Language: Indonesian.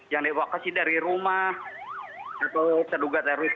yang dievakuasi dari rumah dari rumah dari rumah